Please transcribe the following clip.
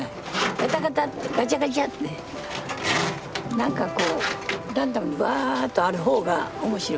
ガタガタっとガチャガチャって何かこうランダムにワーッとある方が面白い。